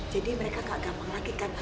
jadi mereka gak gampang lagi kan